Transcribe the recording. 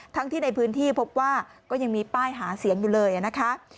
ที่ในพื้นที่พบว่าก็ยังมีป้ายหาเสียงอยู่เลยนะคะ